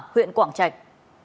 huyện quảng trạch